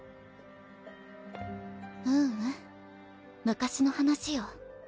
ううん昔の話よ。